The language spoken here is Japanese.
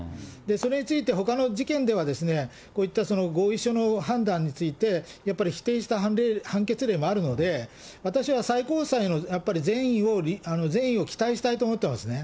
それについてほかの事件では、こういった合意書の判断について、やっぱり否定した判決例もあるので、私は最高裁の、やっぱり善意を期待したいと思ってますね。